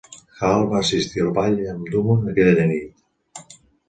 Hall va assistir al ball amb Dumond aquella nit.